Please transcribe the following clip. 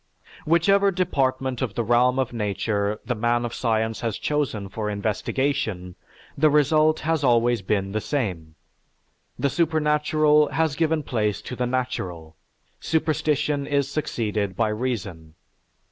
"Whichever department of the realm of Nature the man of science has chosen for investigation, the result has always been the same; the supernatural has given place to the natural, superstition is succeeded by reason.